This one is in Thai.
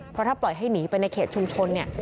เพราะถ้าปล่อยให้หนีไปในเขตชุมชนเนี่ย